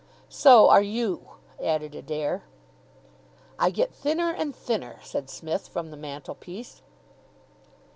"So are you," added Adair. "I get thinner and thinner," said Psmith from the mantelpiece.